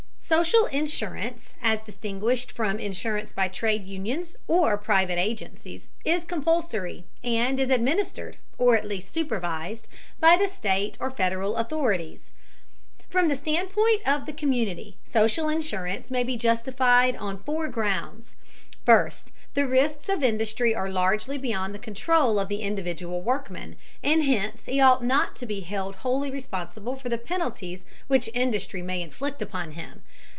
Social insurance, as distinguished from insurance by trade unions or private agencies, is compulsory, and is administered, or at least supervised, by the state or Federal authorities. From the standpoint of the community, social insurance may be justified on four grounds. First, the risks of industry are largely beyond the control of the individual workman, and hence he ought not to be held wholly responsible for the penalties which industry may inflict upon him.